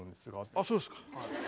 あそうですか。